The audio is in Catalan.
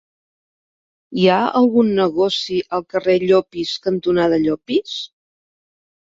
Hi ha algun negoci al carrer Llopis cantonada Llopis?